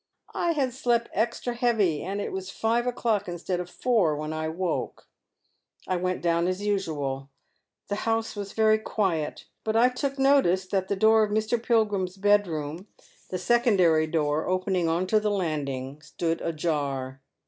I had slep' extra heavy, and it was five o'clock instead of four when I woke. I went down as usual. The house was very quiet ; but I took notice that the door of Mr. Pilgrim's bedroom — the secondary door opening on to the landing — stood ajar.